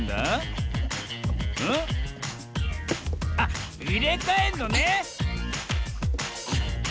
あっいれかえんのね！